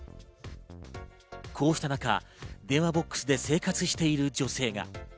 こうした中、電話ボックスで生活している女性が。